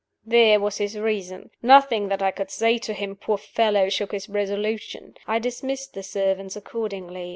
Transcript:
There was his reason. Nothing that I could say to him, poor fellow, shook his resolution. I dismissed the servants accordingly.